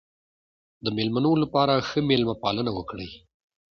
د مېلمنو لپاره ښه مېلمه پالنه وکړئ.